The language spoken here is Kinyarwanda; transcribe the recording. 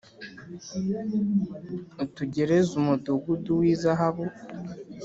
Utegerez’ umudugudu w’ izahabu,